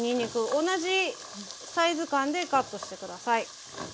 同じサイズ感でカットして下さい。